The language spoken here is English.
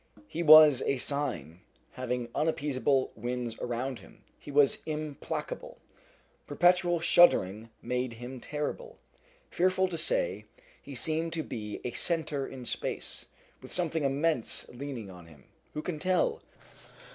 He was a Sign. Having unappeasable winds around him, he was implacable. Perpetual shuddering made him terrible. Fearful to say, he seemed to be a centre in space, with something immense leaning on him. Who can tell?